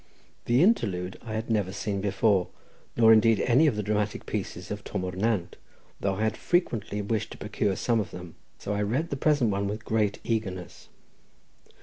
The interlude I had never seen before, nor indeed any of the dramatic pieces of Twm O'r Nant, though I had frequently wished to procure some of them—so I read the present one with great eagerness.